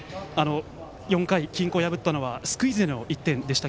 ４回、均衡を破ったのはスクイズでの１点でした。